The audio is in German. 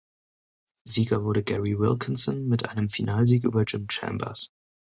Sieger wurde Gary Wilkinson mit einem Finalsieg über Jim Chambers.